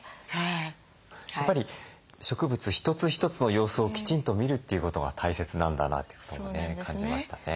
やっぱり植物一つ一つの様子をきちんと見るっていうことが大切なんだなってこともね感じましたね。